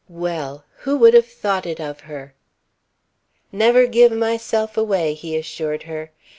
Well! Who would have thought it of her? "Never give myself away," he assured her.